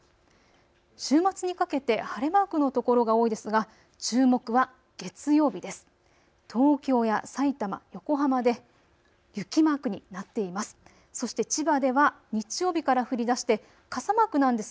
週末にかけて晴れマークの所が多いですが注目は月曜日です。